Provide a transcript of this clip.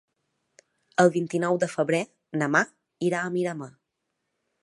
El vint-i-nou de febrer na Mar irà a Miramar.